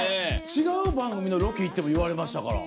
違う番組のロケ行っても言われましたから。